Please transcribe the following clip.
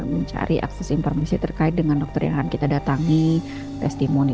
mencari akses informasi terkait dengan dokter yang akan kita datangi testimoni